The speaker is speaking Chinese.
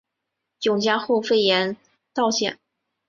永嘉后废严道县。